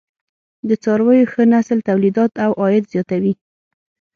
د څارويو ښه نسل تولیدات او عاید زیاتوي.